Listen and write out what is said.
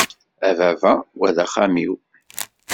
A baba, wa d axxam-iw!